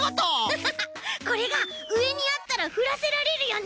これがうえにあったらふらせられるよね。